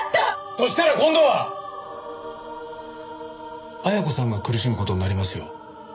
そしたら今度は恵子さんが苦しむ事になりますよ。